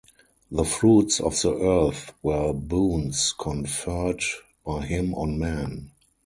The fruits of the earth were boons conferred by him on men.